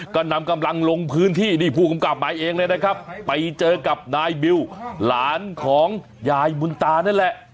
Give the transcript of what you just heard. ก็นำกำลังลงพื้นที่นี่ผู้กำกับมาเองเลยนะครับไปเจอกับนายบิวหลานของยายบุญตานั่นแหละ